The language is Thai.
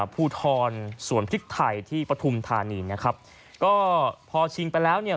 ภูทรสวนพริกไทยที่ปฐุมธานีนะครับก็พอชิงไปแล้วเนี่ย